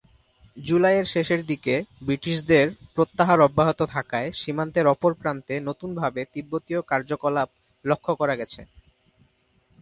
জুলাইয়ের শেষের দিকে, ব্রিটিশদের প্রত্যাহার অব্যাহত থাকায় সীমান্তের অপর প্রান্তে নতুনভাবে তিব্বতীয় কার্যকলাপ লক্ষ্য করা গেছে।